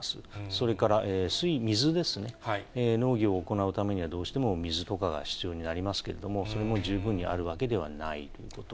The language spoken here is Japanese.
それから水ですね、農業を行うためにはどうしても水とかが必要になりますけれども、それも十分にあるわけではないということ。